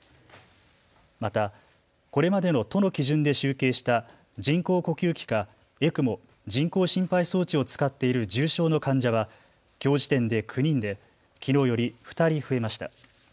またこれまでの都の基準で集計した人工呼吸器かＥＣＭＯ・人工心肺装置を使っている重症の患者はきょう時点で９人できのうより２人増えました。